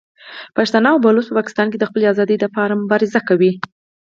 پښتانه او بلوڅ په پاکستان کې د خپلې ازادۍ په پار مبارزه کوي.